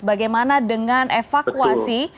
bagaimana dengan evakuasi